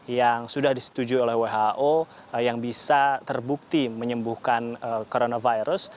yang sudah disetujui oleh who yang bisa terbukti menyembuhkan coronavirus